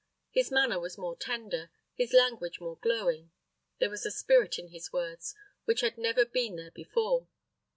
His manner was more tender, his language more glowing; there was a spirit in his words which had never been there before.